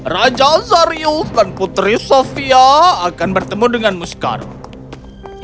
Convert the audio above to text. raja zarius dan putri sofia akan bertemu denganmu sekarang